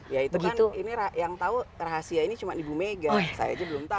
ya itu kan ini yang tahu rahasia ini cuma ibu mega saya aja belum tahu